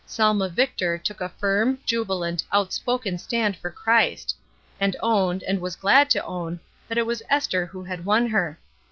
Selma Victor took a firm, jubilant, out spoken stand for Christ; and owned, and was glad to own, that it was Esther who had won her.